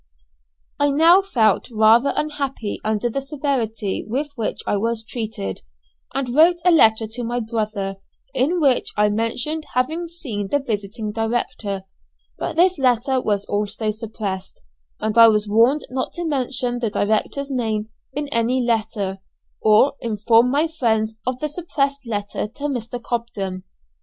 I now felt rather unhappy under the severity with which I was treated, and wrote a letter to my brother, in which I mentioned having seen the visiting director; but this letter was also suppressed, and I was warned not to mention the director's name in any letter, or inform my friends of the suppressed letter to Mr. Cobden.